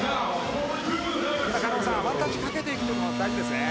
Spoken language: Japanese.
狩野さん、ワンタッチをかけていくのは大事ですね。